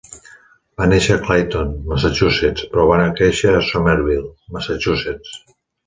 Va néixer a Clinton, Massachusetts, però va créixer a Somerville, Massachusetts.